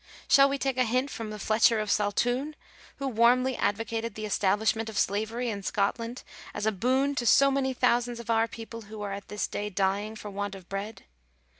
Shall we take a hint from Fletcher of Saltoun, who warmly advocated the establishment of slavery in Scotland as a boon to " so many thousands of our people who are at this day dying for want of bread